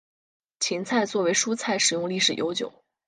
芹菜作为蔬菜食用历史悠久。